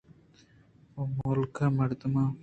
او ملک ءِ مردماں!